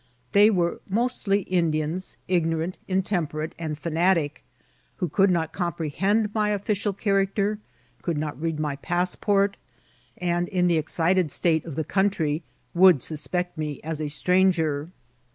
They were mostly Indians, ignorant, intemperate, and fieuiatic, who could not com{»rdiend my official character, could not read my pa8q>ort, and, in the excited state of the coun try, would suspect me as a stranger.